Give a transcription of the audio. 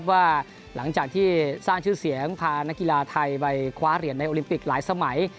ว่าหลังจากที่สร้างชื่อเสียงพานักกีฬาไทยไปคว้าเหรียญในโอลิมปิกหลายสมัย